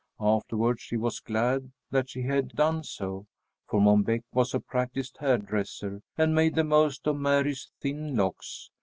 Afterward she was glad that she had done so, for Mom Beck was a practised hair dresser, and made the most of Mary's thin locks.